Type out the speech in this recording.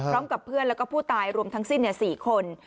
พร้อมกับเพื่อนแล้วก็ผู้ตายรวมทั้งสิ้น๔คน